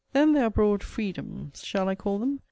Then there are broad freedoms (shall I call them?)